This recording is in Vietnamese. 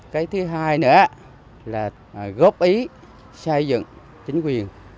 cái thứ hai nữa là góp ý xây dựng chính quyền